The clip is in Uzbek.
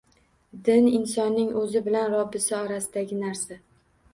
Din insonning o‘zi bilan Robbisi orasidagi narsa.